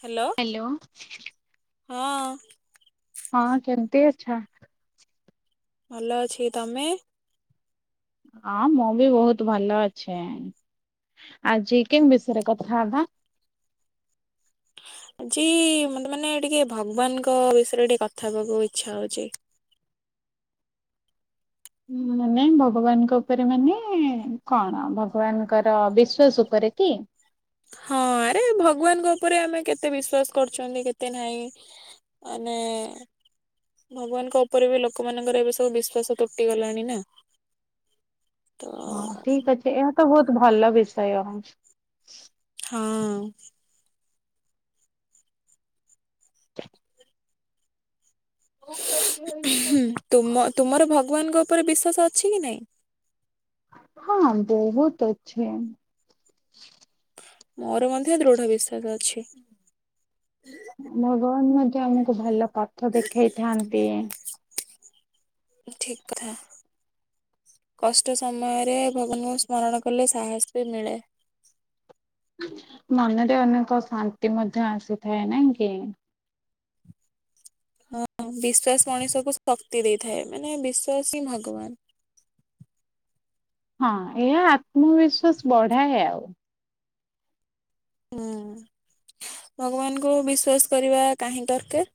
Hello hello. ହଁ। ହଁ କେମତି ଅଛ? ଭଲ ଅଛି, ତମେ? ହଁ ମୁଁ ବି ବହୁତ ଭଲ ଅଛି। ଆଜି କେଉଁ ବିଷୟରେ କଥା ହବା? ଆଜି ମୋତେ ମାନେ ଟିକେ ଭଗବାନଙ୍କ ବିଷୟରେ ଟିକେ କଥା ହବାକୁ ଇଛା ହଉଛି। ମାନେ ଭଗବାନଙ୍କ ଉପରେ ମାନେ କଣ? ଭଗବାନଙ୍କର ବିଶ୍ଵାସ ଉପରେ କି? ହଁ ଆରେ ଭଗବାନଙ୍କ ଉପରେ ଆମେ କେତେ ବିଶ୍ବାସ କରୁଛନ୍ତି କେତେ ନାହିଁ? ମାନେ ଭଗବାନଙ୍କ ଉପରେ ବି ଲୋକମାନଙ୍କର ଏବେ ସବୁ ବିଶ୍ଵାସ ତୁଟି ଗଲାଣି ନା। ତ ହଁ ଠିକ ଅଛି ଏହା ତ ବହୁତ ଭଲ ବିଷୟ। ହଁ। [inaudible] ହୁଁ -ତୁମ-ତୁମର ଭଗବାନଙ୍କ ଉପରେ ବିଶ୍ୱାସ ଅଛି କି ନାଇଁ? ହଁ ବହୁତ୍ ଅଛି। ମୋର ମଧ୍ୟ ଦୃଢ ବିଶ୍ଵାସ ଅଛି। ଭଗବାନ ମଧ୍ୟ ଆମକୁ ଭଲ ପଥ ଦେଖେଇଥାନ୍ତି। ଠିକ୍ କଥା କଷ୍ଟ ସମୟରେ ଭଗବାନଙ୍କୁ ସ୍ମରଣ କଲେ ସାହସ୍ ବି ମିଳେ। ମନରେ ଅନେକ ଶାନ୍ତି ମଧ୍ୟ ଆସିଥାଏ ନାଇଁ କି? ହଁ ବିଶ୍ଵାସ ମଣିଷକୁ ଶକ୍ତି ଦେଇଥାଏ ମାନେ ବିଶ୍ୱାସ ହିଁ ଭଗବାନ୍। ହଁ ଏହା ଆତ୍ମବିଶ୍ୱାସ ବଢାଏ ଆଉ। ହୁଁ- ଭଗବାନଙ୍କୁ ବିଶ୍ଵାସ କରିବା କାହିଁ ଦରକାର୍?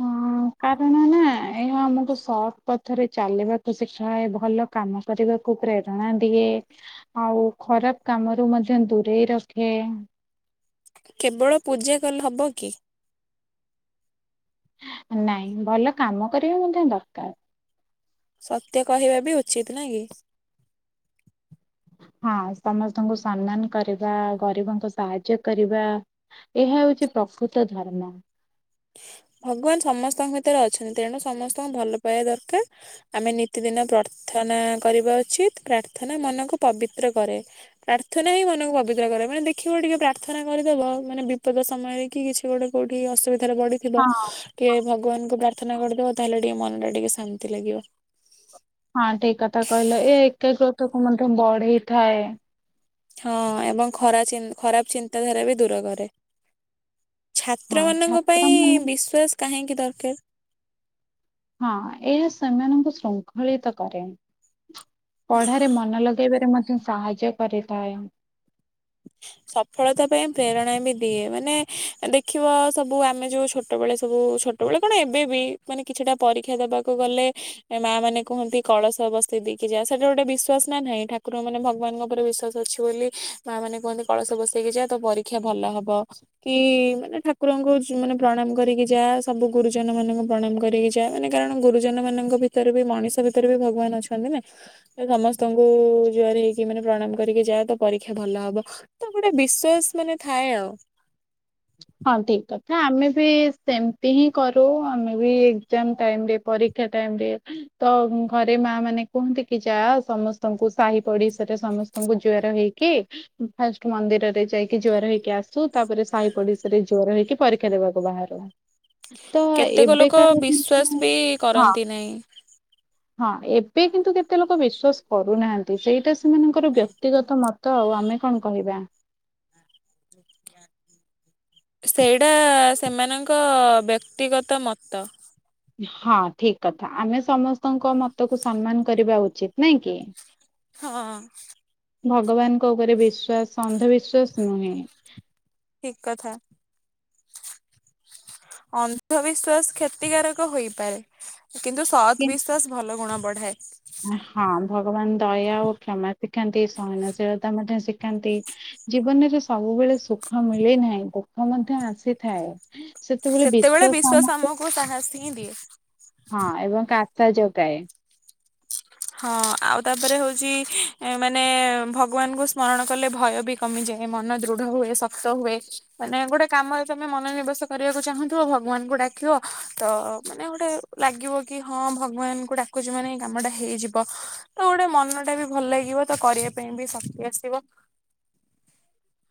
ହଁ। କାରଣ ନା ଏହା ଆମକୁ ସତ୍ ପଥରେ ଚାଲିବାକୁ ଶିଖାଏ ଭଲ କାମ କରିବାକୁ ପ୍ରେରଣା ଦିଏ। ଆଉ ଖରାପ୍ କାମରୁ ମଧ୍ୟ ଦୂରେଇ ରଖେ। କେବଳ ପୂଜା କଲେ ହବ କି? ନାଇଁ ଭଲ କାମ କରିବା ମଧ୍ୟ ଦରକାର୍। ସତ୍ୟ କହିବା ବି ଉଚିତ୍ ନା କି? ହଁ ସମସ୍ତଙ୍କୁ ସମ୍ମାନ କରିବା ଗରିବଙ୍କୁ ସାହାଯ୍ୟ କରିବା ଏହା ହଉଚି ପ୍ରକୃତ ଧର୍ମ। ଭଗବାନ୍ ସମସ୍ତଙ୍କ ଭିତରେ ଅଛନ୍ତି ତେଣୁ ସମସ୍ତଙ୍କୁ ଭଲ ପାଇବା ଦରକାର୍। ଆମେ ନିତିଦିନ ପ୍ରାର୍ଥନା କରିବା ଉଚିତ୍ ପ୍ରାର୍ଥନା ମନକୁ ପବିତ୍ର କରେ। ପ୍ରାର୍ଥନା ହିଁ ମନକୁ ପବିତ୍ର କରେ ମାନେ ଦେଖିବ ଟିକେ ପ୍ରାର୍ଥନା କରିଦବ ମାନେ ବିପଦ ସମୟରେ କି କିଛି ଗୋଟେ କଉଠି ଅସୁବଧା ରେ ପଡିଥିବ ହଁ ଟିକେ ଭଗବାନଙ୍କୁ ପ୍ରାର୍ଥନା କରିଦବ ତାହେଲେ ଟିକେ ମନ ଟା ଟିକେ ଶାନ୍ତି ଲାଗିବ। ହଁ ଠିକ୍ କଥା କହିଲ ଏ ଏକାଗ୍ରତା କୁ ମଧ୍ୟ ବଢେଇଥାଏ। ହଁ ଏବଂ ଖରା-ଚିନ୍ତ୍- ଖରାପ୍ ଚିନ୍ତାଧାରା ବି ଦୂର କରେ। ଛାତ୍ର ହଁ ମାନଙ୍କ ଛାତ୍ର ପାଇଁ ମାନେ ବିଶ୍ଵାସ କାହିଁକି ଦରକାର୍? ହଁ ଏହା ସେମାନଙ୍କୁ ଶୃଙ୍ଖଳିତ କରେ। ପଢାରେ ମନ ଲଗେଇବାରେ ମଧ୍ୟ ସାହାଯ୍ୟ କରିଥାଏ। [inaudible] ସଫଳତା ପାଇଁ ପ୍ରେରଣା ବି ଦିଏ ମାନେ ଦେଖିବ ସବୁ ଆମେ ଯଉ ଛୋଟବେଳେ ସବୁ ଛୋ ଛୋଟବେଳେ କଣ ଏବେ ବି ମାନେ କିଛିଟା ପରୀକ୍ଷା ଦବାକୁ ଗଲେ ମା ମାନେ କୁହନ୍ତି କଳସ ବସେଇ ଦେଇକି ଯା ସେଟା ଗୋଟେ ବିଶ୍ୱାସ୍ ନା ନାହିଁ ଠାକୁର ମାନେ ଭଗବାନଙ୍କ ଉପରେ ବିଶ୍ଵାସ ଅଛି ବୋଲି ମା ମାନେ କୁହନ୍ତି କଳସ ବସେଇକି ଯା ତ ପରୀକ୍ଷା ଭଲ ହବ। କି ମାନେ ଠାକୁରଙ୍କୁ ଯୁ-ମାନେ ପ୍ରଣାମ କରିକି ଯା ସବୁ ଗୁରୁଜନ ମାନଙ୍କୁ ପ୍ରଣାମ୍ କରିକି ଯା। ଯା- ମାନେ କାରଣ ଗୁରୁଜନ ମାନଙ୍କ ଭିତରେ ବି ମଣିଷ ଭିତରେ ବି ଭଗବାନ୍ ଅଛନ୍ତି ନା। ତ ସମସ୍ତଙ୍କୁ ଜୁହାର୍ ହେଇକି ମାନେ ପ୍ରଣାମ କରିକି ଯା ତ ପରୀକ୍ଷା ଭଲ ହବ। ତ ଗୋଟେ ବିଶ୍ଵାସ ମାନେ ଥାଏ ଆଉ। ହଁ ଠିକ୍ କଥା ଆମେ ବି ସେମତି ହିଁ କରୁ ଆମେ ବି ଏକ୍ଜାମ୍ ଟାଇମ୍ ରେ ପରି [unintelligible] ଟାଇମ୍ ରେ ତ ଘରେ ମା ମାନେ କୁହନ୍ତି କି ଯା ସମସ୍ତଙ୍କୁ ସାହି ପଡ଼ିଶାରେ ସମସ୍ତ ସ୍ତଙ୍କୁ ଜୁଆର ହେଇକି ଫାଷ୍ଟ୍ ମନ୍ଦିରରେ ଯାଇକି ଜୁଆର ହେଇକି ଆସ୍। ସୁ -ତାପରେ ସାହି ପଡ଼ିଶାରେ ଜୁଆର ହେଇକି ପରୀକ୍ଷା ଦବାକୁ ବାହାରୁ। ତ କେତେକ ଲୋକ ଏବେକା ବିଶ୍ଵାସ [unintelligible] ବି ହଁ। କରନ୍ତି ନାହିଁ। ହଁ ଏବେ କିନ୍ତୁ କେତେ ଲୋକ ବିଶ୍ୱାସ କରୁନାହାନ୍ତି ସେଇଟା ସେମାନଙ୍କର ବ୍ୟକ୍ତିଗତ ମତ ଆଉ ଆମେ କଣ କହିବା। [inaudible] ସେଇଟା ସେମାନଙ୍କ ବ୍ୟକ୍ତିଗତ ମତ। ହଁ ଠିକ୍ କଥା ଆମେ ସମସ୍ତଙ୍କ ମତକୁ ସମ୍ମାନ କରିବା ଉଚିତ୍ ନାଇଁ କି? ହଁ। ଭଗବାନଙ୍କ ଉପରେ ବିଶ୍ୱାସ ଅନ୍ଧବିଶ୍ଵାସ ନୁହେଁ। ଠିକ କଥା। ଅନ୍ଧବିଶ୍ଵାସ କ୍ଷତିକାରକ ହେଇପାରେ କିନ୍ତୁ ସତ୍ ବିଶ ଭଲ ଗୁଣ ବଢ଼ାଏ। ହଁ ଭଗବାନ ଦୟା ଓ କ୍ଷମା ଶିଖାନ୍ତି ସହନଶୀଳତା ମଧ୍ୟ ଶିଖାନ୍ତି। ଜୀବନରେ ସବୁବେଳେ ସୁଖ ମିଳି ନାହିଁ ଦୁଃଖ ମଧ୍ୟ ଆସିଥାଏ। ସେତେବେଳେ ବିଶ୍ଵାସ ଆମକୁ ସାହସ ହିଁ ଦିଏ। ହଁ ଏବଂ [unintelligible] କାଶା ଯୋଗାଏ। ହଁ ଆଉ ତାପରେ ହଉଛି ମାନେ ଭଗବାନଙ୍କୁ ସ୍ମରଣ କଲେ ଭୟ ବି କମିଯାଏ ମନ ଦୃଢ ହୁଏ ଶକ୍ତ ହୁଏ ମାନେ ଗୋଟେ କାମରେ ତମେ ମନୋନିବେଶ କରିବାକୁ ଚାହୁଁଥିବ ଭଗବାନଙ୍କୁ ଡାକିବ ତ ମାନେ ଗୋଟେ ଲାଗିବ କି ହଁ ଭଗବାନଙ୍କୁ ଡାକ [unintelligible] ମାନ କାମଟା ହେଇଯିବ ତ ଗୋଟେ ମନ ଟା ବି ଭଲ ଲାଗିବ ତ କରିବା ପାଇଁ ବି ଶକ୍ତି ଆସିବ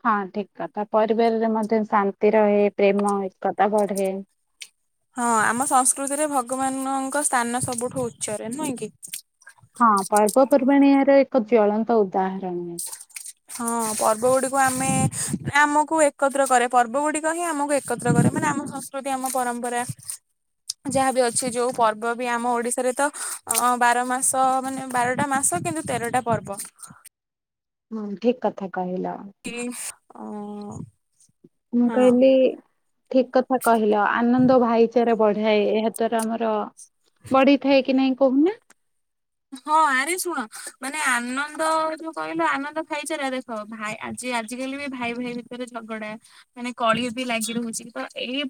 ହଁ ଠିକ କଥା ପରିବାରରେ ମଧ୍ୟ ଶାନ୍ତି ରହେ ପ୍ରେମ ଏକତା ବଢେ ହଁ ଆମ ସଂସ୍କୃତିରେ ଭଗବାନଙ୍କ ସ୍ଥାନ ସବୁଠୁ ଉଚ୍ଚରେ ନୁହେଁ କି? ହଁ ପର୍ବପର୍ବାଣି ଏହାର ଏକ ଜ୍ଳଳନ୍ତ ଉଦାହରଣ ହଁ ପର୍ବ ଗୁଡିକୁ ଆମେ ଆମକୁ ଏକତ୍ର କରେ ପର୍ବ ଗୁଡିକ ହିଁ ଆମକୁ। ଏକତ୍ର କରେ ମାନେ ଆମ ସଂସ୍କୃତି ଆମ ପରମ୍ପରା। ଯାହାବି ଅଛି ଯୋଉ ପର୍ବ ବି ଆମ ଓଡିଶାରେ ତ ଅ ବାର ମାସ ମାନେ ବାରଟା ମାସ କିନ୍ତୁ ତେରଟା ପର୍ବ। ହଁ ଠିକ କଥା କହିଲ। କି ଅଁ। ମୁଁ କହିଲି ଠିକ କଥା କହିଲ ଆନନ୍ଦ ଭାଇଚାରା ବଢାଏ ଏହା ଦ୍ଵାରା ଆମର ବଢିଥାଏ କି ନାଇଁ କହୁନା ହଁ ଆରେ ଶୁଣ ମାନେ ଆନନ୍ଦ ଯୋଉ କହିଲ ଆନନ୍ଦ ଖାଇଚାରା ରେ ଶୁଣ ଭାଇ ଯେ ଆଜିକାଲି ବି ଭାଇ ଭାଇ ଭିତରେ ଝଗଡା ମାନେ କଳି ବି ଲାଗି ରହୁଛି ତ ଏଇ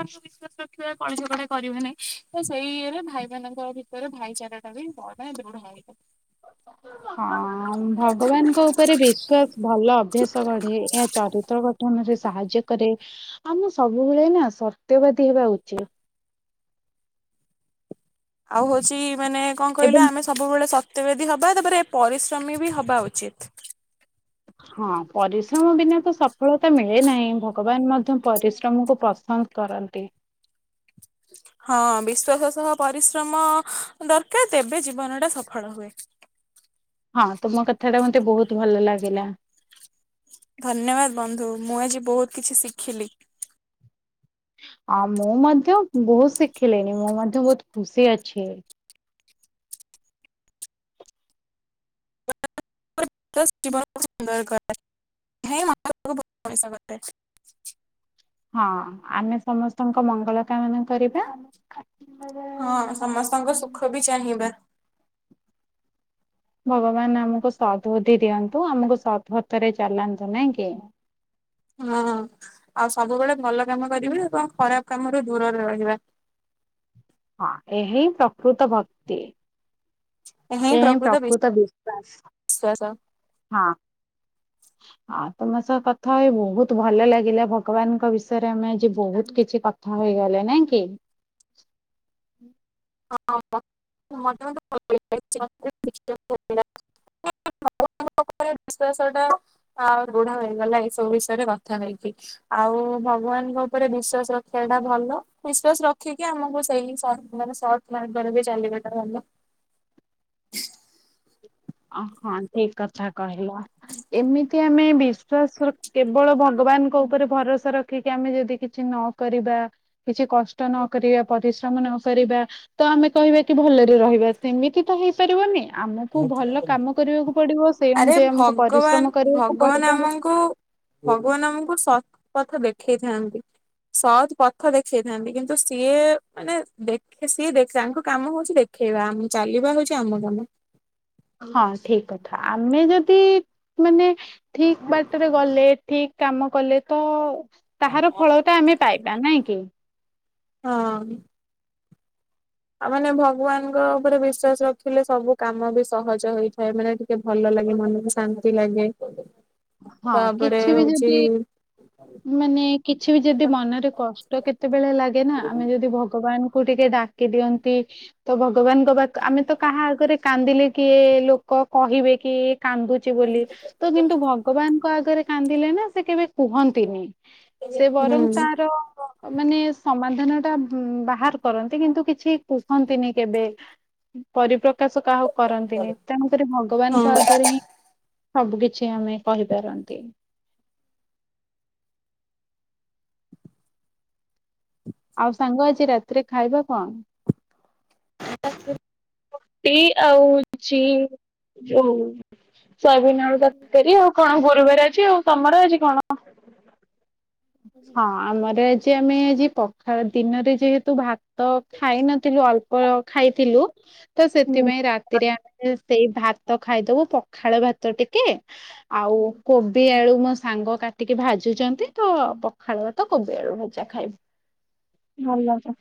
ଙ୍କୁ ବିଶ୍ଵାସ ରଖିବା କଳି ଝଗଡା କରିବେନିଁ ତ ସେଇ ରେ ଭାଇମାନଙ୍କ ଭିତରେ ର ଭାଇଚାରା ଟା ବି ବଢ଼େ ଦୃଢ଼ ହେଇଯାଏ। ହଁ ଭଗବାନଙ୍କ ଉପରେ ବିଶ୍ୱାସ ଭଲ ଅଭ୍ୟାସ ଗଢେ ଏହା ଚରିତ୍ର କ ନରେ ସାହାଯ୍ୟ କରେ ଆମେ ସବୁବେଳେ ନା ସର୍ତ୍ୟବାଦୀ ହେବା ଉଚିତ। ଆଉ ହଉଛି ମାନେ କଣ କହିଲା ଏବଂ ଆମେ ସବୁବେଳେ ସତ୍ୟବାଦି ହବା ତାପରେ ପରିଶ୍ରମୀ ବି ହବା ଉଚିତ। ହଁ ପରିଶ୍ରମ ବିନା ତ ସଫଳତା ମିଳେ ନାହିଁ ଭଗବାନ ମଧ୍ୟ ପରିଶ୍ରମକୁ ପସନ୍ଦ କରନ୍ତି। ହଁ ବିଶ୍ଵାସ ସହ ପରିଶ୍ରମ ଦରକାର ତେବେ ଜୀବନଟା ସଫଳ ହୁଏ। ହଁ ତୁମ କଥାଟା ମତେ ବହୁତ ଭଲ ଲାଗିଲା। ଧନ୍ୟବାଦ ବନ୍ଧୁ ମୁଁ ଆଜି ବହୁତ କିଛି ଶିଖିଲି। ଆ ମୁଁ ମଧ୍ୟ ବହୁତ ଶିଖିଲିଣି ମୁଁ ମଧ୍ୟ ବହୁତ ଖୁସି ଅଛି। ତ ଜୀବନକୁ ସୁନ୍ଦର କରାଏ [unintelligible] ହଁ ଆମେ ସମସ୍ତଙ୍କ ମଙ୍ଗଳ କାମନା କରିବା। ହଁ ସମସ୍ତଙ୍କ ସୁଖ ବି ଚାହିଁବା। ଭଗବାନ ଆମକୁ ସଦ୍ବବୁଦ୍ଧି ଦିଅନ୍ତୁ ଆମକୁ [unintelligible] ସଡଦ୍ଭତରେ ଚଲାନ୍ତୁ ନାଇଁ କି? ହଁ ଆଉ ସବୁବେଳେ ଭଲ କାମ କରିବା ଏବଂ ଖରାପ କାମରୁ ଦୂରରେ ରହିବା ହଁ ଏହା ହିଁ ପ୍ରକୃତ ଭକ୍ତି। ଏ ହିଁ ପ୍ରକୃତ ବିଶ୍ଵାସ ବିଶ୍ଵାସ। ହଁ। [inaudible] ହଁ ତମ ସହ କଥା ହେଇ ବହୁତ ଭଲ ଲାଗିଲା ଭଗବାନଙ୍କ ବିଷୟରେ ଆମେ ଆଜି ବହୁତ କିଛି କଥା ହେଇଗଲେ ନାଇଁ କି? [unintelligible] ଭଗବାନଙ୍କ ଉପରେ ବିଶ୍ୱାସ ଟା ଆ ଦୃଢ଼ ହେଇଗଲା ଏଇ ସବୁ ବିଷୟରେ କଥା ହେଇକି ଆଉ ଭଗବାନଙ୍କ ଉପରେ ବିଶ୍ଵାସ ରଖିଆ ଟା ଭଲ ବିଶ୍ୱାସ ରଖିକି ଆମକୁ ସେଇ ସ ମାନେ ସଦମାର୍ଗରେ ବି ଚାଲିବାଟା ଭଲ। ଅହଁ ଠିକ କଥା କହିଲ। ଏମିତି ଆମେ ବିଶ୍ଵାସ କେବଳ ଭଗବାନଙ୍କ ଉପରେ ଭରସା ରଖିକି ଆମେ ଯଦି କିଛି ନ କରିବା କିଛି କଷ୍ଟ ନକରିବା ପରିଶ୍ରମ ନକରିବା ତ ଆମେ କହିବା କି ଭଲରେ ରହିବା ସେମିତି ତ ହେଇପାରିବନି ଆମକୁୁ ଭଲ କାମ କରିବାକୁ ପଡିବ ସେଇ ଆରେ ଅନୁଯାୟୀ ଆମକୁ ଭଗବାନ ପରିଶ୍ରମ କରିବାକୁ ଭଗବାନ ପଡିବ। ଆମକୁ ଭଗବାନ ଆମକୁ ସତପଥ ଦେଖେଇ ଥାନ୍ତି। ସତପଥ ଦେଖେଇଥାନ୍ତି କିନ୍ତୁ ସିଏ ମାନେ ଦେଖେ ସିଏ ଦେଖ ତାଙ୍କ କାମ ହଉଛି ଦେଖେଇବା ଆମ ଚାଲିବା ହଉଛି ଆମ କାମ। ହଁ ଠିକ କଥା। ଆମେ ଯଦି ମାନେ ଠିକ ବାଟରେ ଗଲେ ଠିକ କାମ କଲେ ତ ତାହାର ଫଳ ଟା ଆମେ ପାଇବା ନାଇଁ କି। ହଁ। ଆଉ ମାନେ ଭଗବାନଙ୍କ ଉପରେ ବିଶ୍ଵାସ ରଖିଲେ ସବୁ କାମ ବି ସହଜ ହେଇଥାଏ ମାନେ ଟିକେ ଭଲ ଲାଗେ ମନକୁ ଶାନ୍ତି ଲାଗେ। ହଁ ତାପରେ କିଛି ବି ହଉଛି ଯଦି ମାନେ କିଛି ବି ଯଦି ମନରେ କଷ୍ଟ କେତେବେଳେ ଲାଗେନା ଆମେ ଯଦି ଭଗବାନଙ୍କୁ ଟିକେ ଡା କି ଦିଅନ୍ତି ତ ଭଗବାନଙ୍କ ପା ଆମେ ତ କାହା ଆଗରେ କାନ୍ଦିଲେ କିଏ ଲୋକ କହିବେ କି କାନ୍ଦୁଛି ବୋଲି ତ କିନ୍ତୁ ଭ ଭଗବାନଙ୍କ ଆଗରେ କାନ୍ଦିଲେ ନା ସେ କେବେ କୁହନ୍ତିନି ସେ ହୁଁ ବରଂ ତାର ମାନେ ସମାଧାନ ଟା ବାହାର କରନ୍ତି କିନ୍ତୁ କିଛି କୁହନ୍ତିନି କେବେ। ପରିପ୍ରକାଶ କାହାକୁ କରନ୍ତିନି ତେଣୁକରି ଭଗବାନଙ୍କ ହଁ। ଆଗରେ ହିଁ ସବୁ କିଛି ଆମେ କହିପାରନ୍ତି। ଆଉ ସାଙ୍ଗ ଆଜି ରାତିରେ ଖାଇବା କଣ? ରାତିରେ ରୁଟି ଆଉ ହୋଉଛି ଯୋଉ ସୋୟାବିନ ଆଳୁ ତରକାରୀ ଆଉ କଣ ଗୁରୁବାର ଅଛି ଆଉ ତମର ଆଜି କଣ? ହଁ ଆମର ଆଜି ଆମେ ଆଜି ପଖାଳ ଦିନରେ ଯେହେତୁ ଭାତ ଖାଇ ନଥିଲୁ ଅଳ୍ପ ଖାଇଥିଲୁ ତ ହୁଁ ସେଥିପାଇଁ ରାତିରେ ଆମେ ସେଇ ଭାତ ଖାଇଦବୁ ପଖାଳ ଭାତ ଟିକେ ଆଉ କୋବି ଆଳୁ ମୋ ସାଙ୍ଗ କାଟିକି ଭାଜୁଚନ୍ତି। ତ ପଖାଳ ଭାତ କୋବି ଆଳୁ ଭଜା ଖାଇ ଭଲ ତ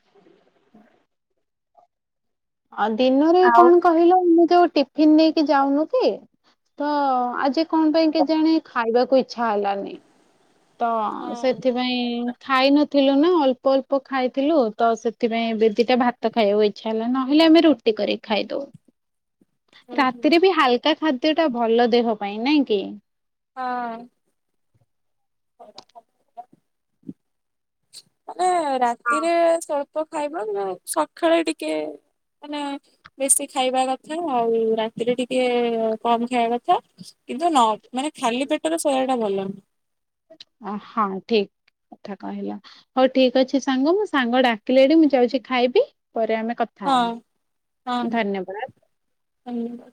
ଅଁ ଦିନରେ ଆଉ କଣ କହିଲ ମୁଁ ଯୋଉ ଟିଫିନ ନେଇକି ଯାଉନୁ କି ତ ଆଜି କଣ ପାଇଁ କେଜାଣି ଖାଇବାକୁ ଇଚ୍ଛା ହେଲାନି। ତ ହଁ ସେଥି ପାଇଁ ଖାଇ ନଥିଲୁ ନା ଅଳ୍ପ ଅଳ୍ପ ଖାଇଥିଲୁ ତ ସେଥିପାଇଁ ଦି ଦିଟା ଭା ତ ଖାଇବାକୁ ଇଚ୍ଛା ହେଲା ନହେଲେ ଆମେ ରୁଟି କରିକି ଖାଇଦଉ। ହୁଁ ହୁଁ ରାତିରେ ବି ହାଲକା ଖାଦ୍ୟ ଟା ଭଲ ଦେହ ପାଇଁ ନାଇଁ କି? ହଁ। ମାନେ ରାତିରେ ସଳ୍ପ ପ ଖାଇବା ନା ସକାଳେ ଟିକେ ମାନେ ବେଶୀ ଖାଇବା କଥା ଆଉ ରାତିରେ ଟିକେ କମ୍ ଖାଇବା କଥା। କିନ୍ତୁ ନ ମାନେ ଖାଲି ପେଟରେ ଶୋୟା ଟା ଭଲ ନୁ ହଁ ହଁ ଠିକ୍। କଥା କହିଲ ହଉ ଠିକ ଅଛି ସାଙ୍ଗ ମୁଁ ସାଙ୍ଗ ଡାକିଲେଣି ମୁଁ ଯାଉଛି ଖାଇବି ପରେ ଆମେ କ ହଁ ହଁ ଧନ୍ୟବାଦ।